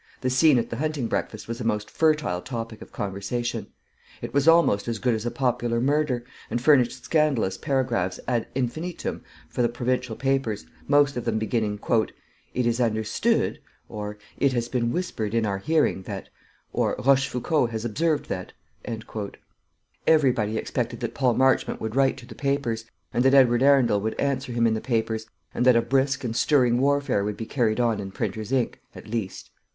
The scene at the hunting breakfast was a most fertile topic of conversation. It was almost as good as a popular murder, and furnished scandalous paragraphs ad infinitum for the provincial papers, most of them beginning, "It is understood ," or "It has been whispered in our hearing that ," or "Rochefoucault has observed that ." Everybody expected that Paul Marchmont would write to the papers, and that Edward Arundel would answer him in the papers; and that a brisk and stirring warfare would be carried on in printer's ink at least.